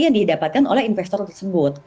yang didapatkan oleh investor tersebut